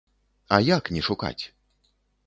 А як не шукаць?